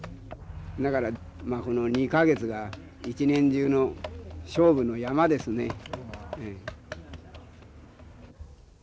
だからこの２か月が一年中の勝負の山ですね。